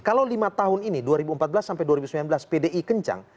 kalau lima tahun ini dua ribu empat belas sampai dua ribu sembilan belas pdi kencang